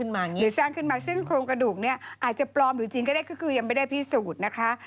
หรือสร้างขึ้นมาซึ่งโครงกระดูกเนี่ยอาจจะปลอมหรือจริงก็ได้ก็คือยังไม่ได้พิสูจน์นะคะ